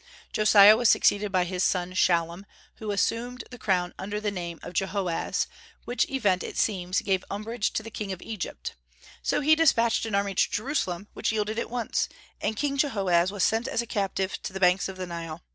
Josiah was succeeded by his son Shallum, who assumed the crown under the name of Jehoaz, which event it seems gave umbrage to the king of Egypt. So he despatched an army to Jerusalem, which yielded at once, and King Jehoaz was sent as a captive to the banks of the Nile.